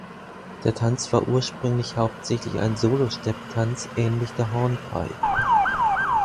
Der Tanz war ursprünglich hauptsächlich ein Solo-Stepptanz ähnlich der Hornpipe.